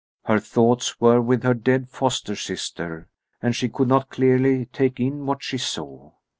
Her thoughts were with her dead foster sister, and she could not clearly take in what she saw.